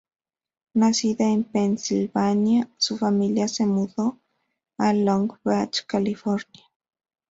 Nacida en Pennsylvania su familia se mudó a Long Beach, California.